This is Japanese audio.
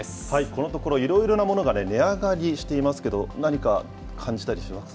このところ、いろいろなものが値上がりしていますけど、何か感じたりします？